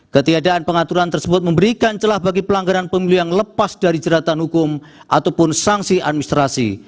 ketiadaan pengaturan tersebut memberikan celah bagi pelanggaran pemilu yang lepas dari jeratan hukum ataupun sanksi administrasi